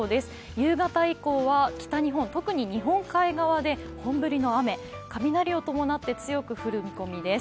夕方以降は北日本、特に日本海側で本降りの雨雷を伴って強く降る見込みです。